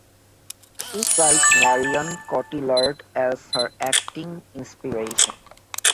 She cites Marion Cotillard as her acting inspiration.